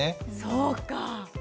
そうかぁ。